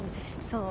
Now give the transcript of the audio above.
そう。